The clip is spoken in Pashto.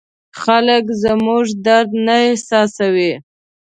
خلک زموږ درد نه احساسوي.